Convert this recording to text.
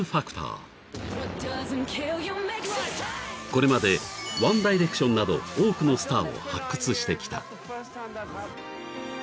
［これまでワン・ダイレクションなど多くのスターを発掘してきた］